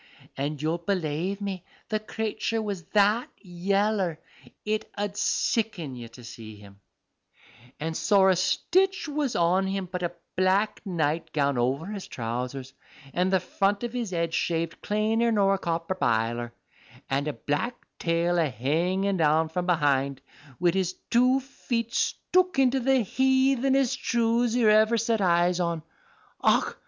If you'll belave me, the crayture was that yeller it 'ud sicken you to see him; and sorra stich was on him but a black night gown over his trousers, and the front of 'is head shaved claner nor a copper biler, and a black tail a hanging down from behind, wid his two feet stook into the heathenesest shoes you ever set eyes on. Och!